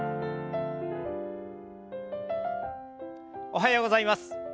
おはようございます。